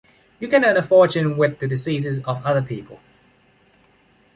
You can earn a fortune with the diseases of other people.